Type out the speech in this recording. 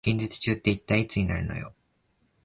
近日中って一体いつになるのよ